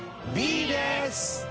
Ｂです！